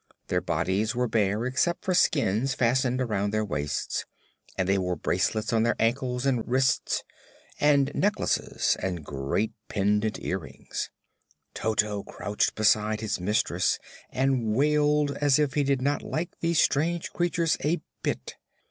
Their bodies were bare except for skins fastened around their waists and they wore bracelets on their ankles and wrists, and necklaces, and great pendant earrings. Toto crouched beside his mistress and wailed as if he did not like these strange creatures a bit.